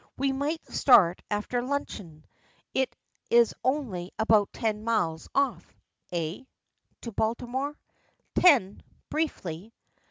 "We might start after luncheon. It is only about ten miles off. Eh?" to Baltimore. "Ten," briefly.